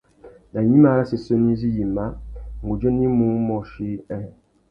Nà gnïmá râ séssénô izí yïmá, ngundzénô i mú môchï : nhêê.